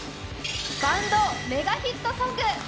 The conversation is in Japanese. バンドメガヒットソング！